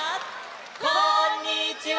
こんにちは！